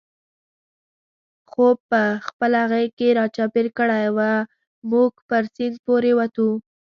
خوپ په خپله غېږ کې را چاپېر کړی و، موږ پر سیند پورې وتو.